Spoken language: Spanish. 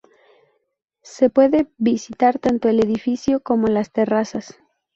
Se puede visitar tanto el edificio como las terrazas.